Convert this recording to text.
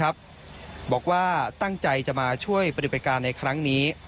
บอกว่าตั้งใจจะมาช่วยปฏิบัติการในครั้งนี้